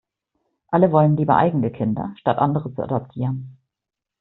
Alle wollen lieber eigene Kinder, statt andere zu adoptieren.